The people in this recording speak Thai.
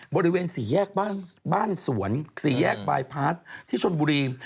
บริเวณสี่แยกบ้านสวนสี่แยกบายพาร์ทที่ชนบุรี